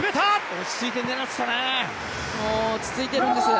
落ち着いて狙ってたね。